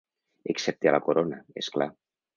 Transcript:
Excepte a la corona, és clar.